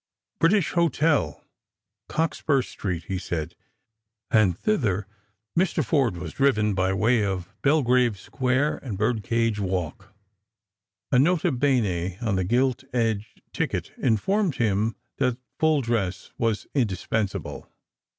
" British Hotel, Cockspur street," he said, and thither Mr. Forde was driven by way of Belgrave square and Birdcage walk. A nota bene on the gilt edged ticket informed him that full dress was indispensable.